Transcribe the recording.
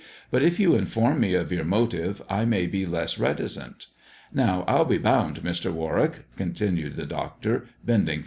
" But if you in ly form me of your motive, I may be less reticent. Now, I'll r* be bound, Mr. Warwick," continued the doctor, bending